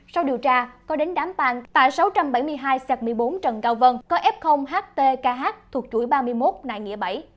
sau điều tra có đến đám tàn tại sáu trăm bảy mươi hai một mươi bốn trần cao vân có f ht kh thuộc chuỗi ba mươi một nại nghĩa bảy